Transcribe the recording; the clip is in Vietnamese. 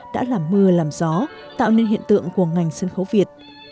đã làm mưa làm gió tạo nên hiện tượng của ngành sân khấu việt